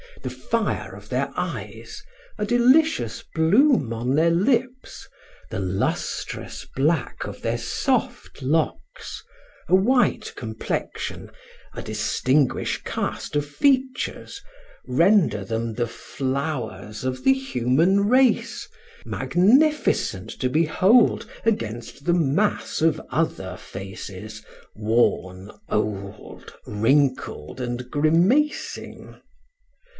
The fire of their eyes, a delicious bloom on their lips, the lustrous black of their soft locks, a white complexion, a distinguished caste of features, render them the flowers of the human race, magnificent to behold against the mass of other faces, worn, old, wrinkled, and grimacing.